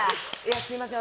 すみません